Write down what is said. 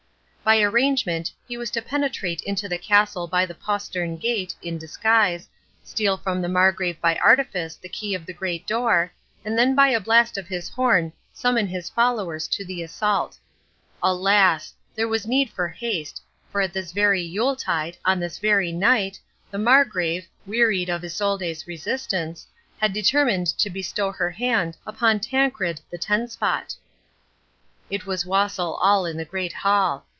By arrangement he was to penetrate into the castle by the postern gate in disguise, steal from the Margrave by artifice the key of the great door, and then by a blast of his horn summon his followers to the assault. Alas! there was need for haste, for at this very Yuletide, on this very night, the Margrave, wearied of Isolde's resistance, had determined to bestow her hand upon Tancred the Tenspot. It was wassail all in the great hall.